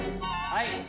はい。